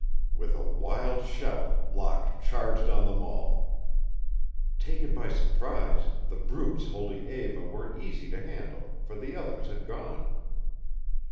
With a wild shout, Locke charged on them all. Taken by surprise, the brutes holding Eva were easy to handle, for the others had gone.